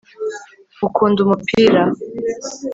ukunda umupira